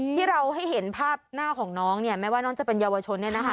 ที่เราให้เห็นภาพหน้าของน้องเนี่ยแม้ว่าน้องจะเป็นเยาวชน